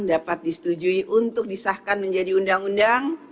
dapat disetujui untuk disahkan menjadi undang undang